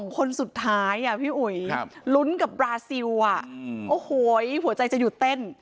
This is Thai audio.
คนสุดท้ายพี่อุ๋ยลุ้นกับบราซิลโอ้โหหัวใจจะหยุดเต้น